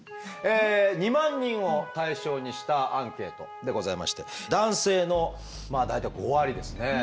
２万人を対象にしたアンケートでございまして男性の大体５割ですね